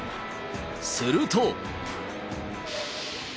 すると。